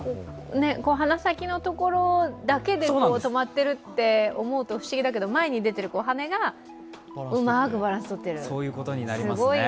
鼻先のところだけで止まってるって思うと不思議だけど前に出ている羽がうまくバランスとっている、すごいな。